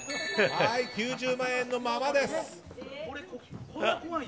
９０万円のままです。